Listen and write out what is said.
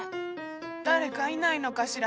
・誰かいないのかしら。